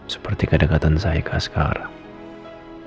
seperti kedekatan saya ke askaram